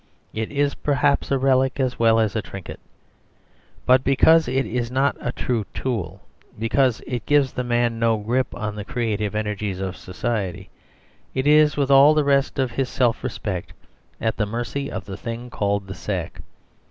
It is perhaps a relic as well as a trinket. But because it is not a true tool, because it gives the man no grip on the creative energies of society, it is, with all the rest of his self respect, at the mercy of the thing called the sack.